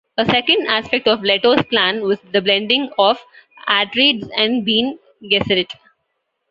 A second aspect of Leto's plan was the blending of Atreides and Bene Gesserit.